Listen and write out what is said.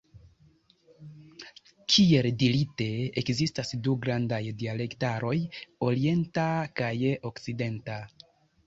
Kiel dirite, ekzistas du grandaj dialektaroj: orienta kaj okcidenta.